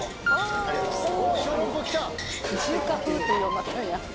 ありがとうございます。